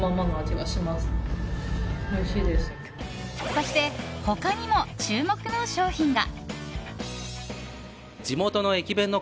そして、他にも注目の商品が。